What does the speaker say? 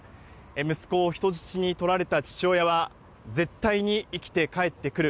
息子を人質に取られた父親は、絶対に生きて帰ってくる。